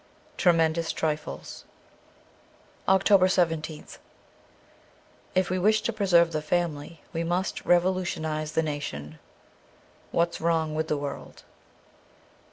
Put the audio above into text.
' Tremendous Trifles.' 322 OCTOBER 17th IF we wish to preserve the family we must revolutionize the nation. ' What's Wrong mth the World.'